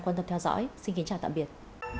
cảm ơn các bạn đã theo dõi xin kính chào và tạm biệt